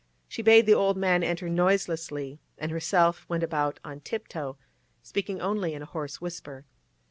She bade the old man enter noiselessly, and herself went about on tip toe, speaking only in a hoarse whisper.